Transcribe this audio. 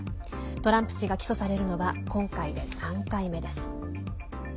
トランプ氏が起訴されるのは今回で３回目です。